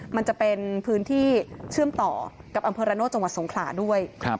มันจะเป็นพื้นที่เชื่อมต่อกับอำเภอระโนธจังหวัดสงขลาด้วย